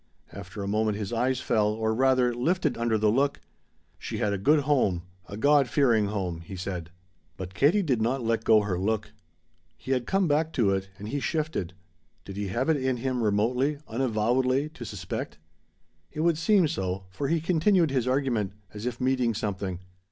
After a moment his eyes fell, or rather, lifted under the look. "She had a good home a God fearing home," he said. But Katie did not let go her look. He had to come back to it, and he shifted. Did he have it in him remotely, unavowedly, to suspect? It would seem so, for he continued his argument, as if meeting something.